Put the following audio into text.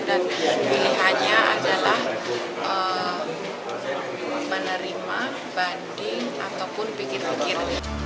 dan pilihannya adalah menerima banding ataupun pikir pikir